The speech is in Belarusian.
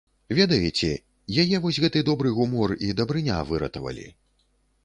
Ведаеце, яе вось гэты добры гумор і дабрыня выратавалі.